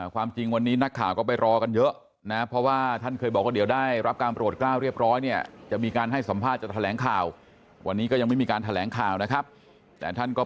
ความจริงวันนี้นักข่าก็ไปรอกันเยอะนะเพราะว่าท่าน